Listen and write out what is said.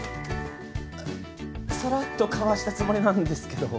あっさらっとかわしたつもりなんですけど。